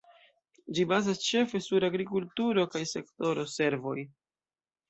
Ĝi bazas ĉefe sur agrikulturo kaj sektoro servoj.